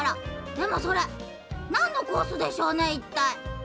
でもそれなんのコースでしょうね？